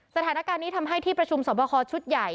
สถานการณ์นี้ทำให้ที่ประชุมสอบคอชุดใหญ่